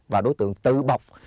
và đối tượng tự bọc